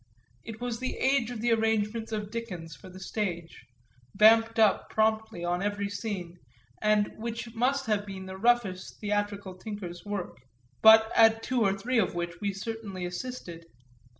It was the age of the arrangements of Dickens for the stage, vamped up promptly on every scene and which must have been the roughest theatrical tinkers' work, but at two or three of which we certainly assisted.